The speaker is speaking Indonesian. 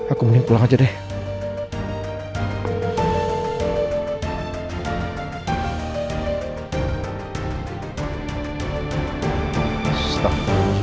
aku mendingan pulang aja deh